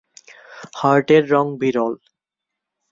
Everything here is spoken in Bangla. হার্টের রিং বিরল।